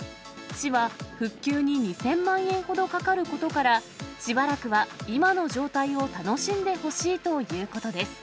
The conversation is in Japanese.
市は、復旧に２０００万円ほどかかることから、しばらくは今の状態を楽しんでほしいということです。